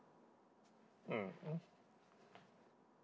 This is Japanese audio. うん？